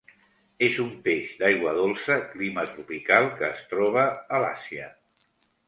És un peix d'aigua dolça clima tropical que es troba a l'Àsia.